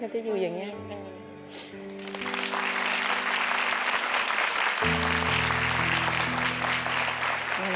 จะอยู่อย่างนี้